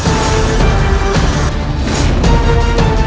aku akan mencari dia